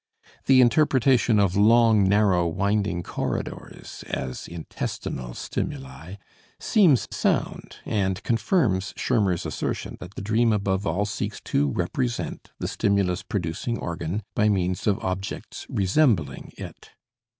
The interpretation of "long, narrow, winding corridors" as intestinal stimuli, seems sound and confirms Schirmer's assertion that the dream above all seeks to represent the stimulus producing organ by means of objects resembling it.